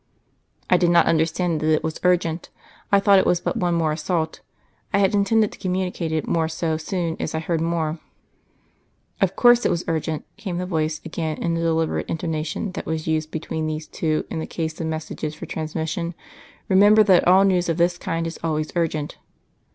"'I did not understand that it was urgent. I thought it was but one more assault. I had intended to communicate more so soon as I heard more."' "Of course it was urgent," came the voice again in the deliberate intonation that was used between these two in the case of messages for transmission. "Remember that all news of this kind is always urgent."